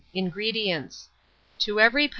INGREDIENTS. To every lb.